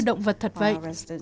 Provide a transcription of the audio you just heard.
động vật thật vậy